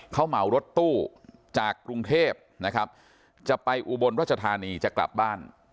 เขามารถตู้จากกรุงเทพฯจะไปอุบลรจทานีจะกลับบ้าน